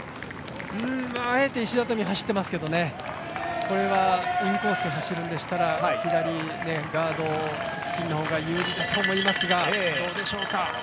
あえて石畳走っていますけどね、これはインコースを走るんでしたら、左でガードの方がいいと思いますが、どうでしょうか。